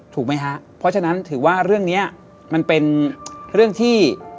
ถูกมั้ยฮะเพราะฉะนั้นคนนี้มันเป็นเรื่องที่